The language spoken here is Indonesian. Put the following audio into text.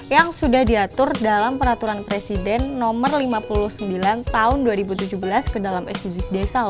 yang sudah diatur dalam peraturan presiden nomor lima puluh sembilan tahun dua ribu tujuh belas ke dalam sdgs desa